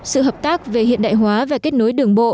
sự hợp tác về hiện đại hóa và kết nối đường bộ